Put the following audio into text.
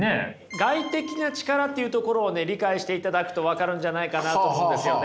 外的な力っていうところを理解していただくと分かるんじゃないかなと思うんですよね。